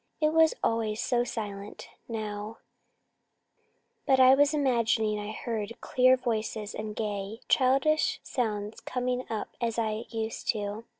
It is always so silent now but I was imagining I heard clear voices and gay, childish sounds coming up as I used to.